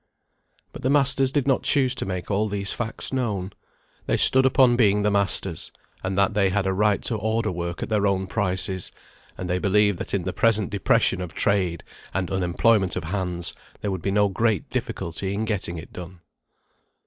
But the masters did not choose to make all these facts known. They stood upon being the masters, and that they had a right to order work at their own prices, and they believed that in the present depression of trade, and unemployment of hands, there would be no great difficulty in getting it done.